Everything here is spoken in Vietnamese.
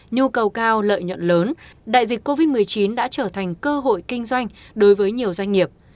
nhu cầu cao lợi nhuận lớn đại dịch covid một mươi chín đã trở thành cơ hội kinh doanh đối với nhiều doanh nghiệp